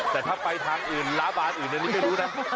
แต่ถ้าไปทางอื่นล้าบานอื่นอันนี้ไม่รู้นะ